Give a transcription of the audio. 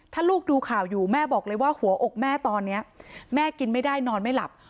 ถ้าลูกดูข่าวอยู่แม่บอกเลยว่าหัวอกแม่ตอนนี้แม่กินไม่ได้นอนไม่หลับ